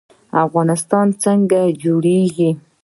افغانستان څنګه جوړیږي؟